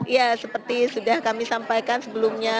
ya seperti sudah kami sampaikan sebelumnya